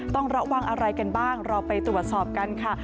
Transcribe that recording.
ต้องระวังอะไรกันบ้างเราไปตรวจสอบกันค่ะ